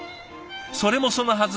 それもそのはず